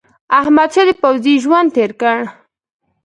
احمدشاه د پوځي ژوند تېر کړ.